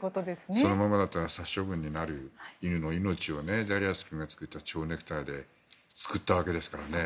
そのままだと殺処分になる犬の命もダリアス君が作った蝶ネクタイで救ったわけですからね。